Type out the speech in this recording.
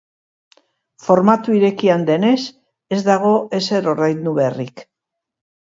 Formatu irekia denez, ez dago ezer ordaindu beharrik.